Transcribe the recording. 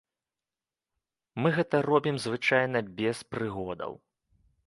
Мы гэта робім звычайна без прыгодаў.